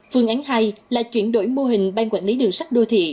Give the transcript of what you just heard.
phương án hai là chuyển đổi mô hình ban quản lý đường sắt đô thị